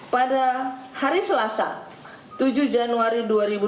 pada hari selasa tujuh januari dua ribu dua puluh